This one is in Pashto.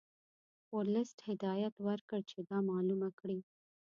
ورلسټ هدایت ورکړ چې دا معلومه کړي.